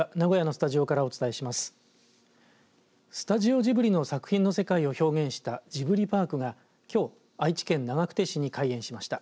スタジオジブリの作品の世界を表現したジブリパークが、きょう愛知県長久手市に開園しました。